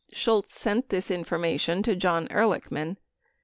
91 Shultz sent this information to John Ehrlichman.